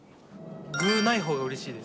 具ないほうがうれしいです。